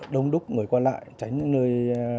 đông đúc người qua lại tránh những nơi